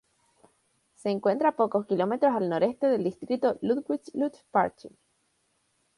Se encuentra a pocos kilómetros al noreste del distrito Ludwigslust-Parchim.